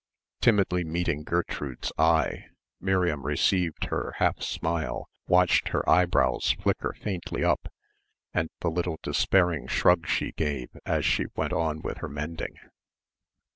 Timidly meeting Gertrude's eye Miriam received her half smile, watched her eyebrows flicker faintly up and the little despairing shrug she gave as she went on with her mending.